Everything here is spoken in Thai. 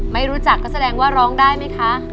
ไม่รู้จักก็แสดงว่าร้องได้ไหมคะ